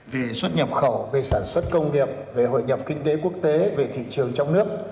vì xuất nhập khẩu về sản xuất công nghiệp về hội nhập kinh tế quốc tế về thị trường trong nước